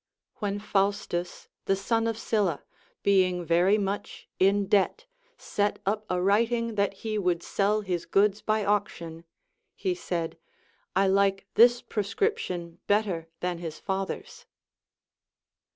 AVhen Faustus the son of Sylla, being very much in debt, set up a writing that he would sell his goods by auc tion, he said, I like this proscription better than his father's.